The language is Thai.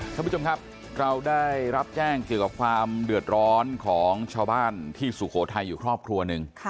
ท่านผู้ชมครับเราได้รับแจ้งเกี่ยวกับความเดือดร้อนของชาวบ้านที่สุโขทัยอยู่ครอบครัวหนึ่ง